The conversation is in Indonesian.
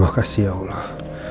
terima kasih ya allah